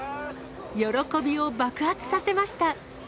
喜びを爆発させました。